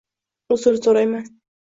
Uzr so'rayman